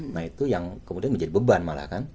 nah itu yang kemudian menjadi beban malah kan